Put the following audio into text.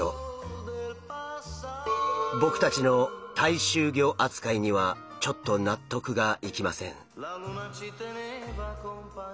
僕たちの大衆魚扱いにはちょっと納得がいきません。